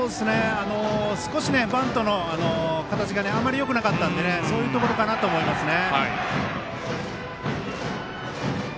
少しバントの形があまりよくなかったんでそういうところかなと思いますね。